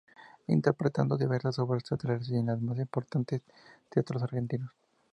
Interpretando diversas obras teatrales y en los más importantes teatros argentinos.